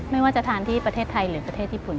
ไม่ว่าจะทานที่ประเทศไทยหรือประเทศญี่ปุ่น